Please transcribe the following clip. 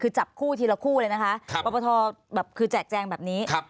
คือจับคู่ทีละคู่เลยนะคะปปทแบบคือแจกแจงแบบนี้